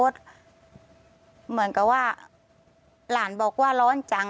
ได้เก่งจริงนะ